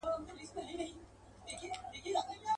په یوه حمله یې پورته کړه له مځکي.